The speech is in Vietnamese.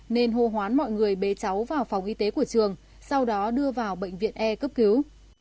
nên hô hoán mọi người bế cháu vào phòng y tế của trường sau đó đưa vào bệnh viện e cấp cứu